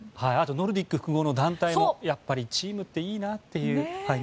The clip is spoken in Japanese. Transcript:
あとノルディック複合の団体もチームっていいなという。